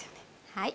はい。